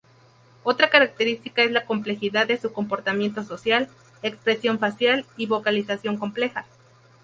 Otra característica es la complejidad de su comportamiento social, expresión facial y vocalización compleja.